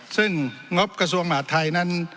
ซึ่งงบกระทรวงหมาธัยนั้น